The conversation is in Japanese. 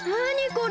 これ。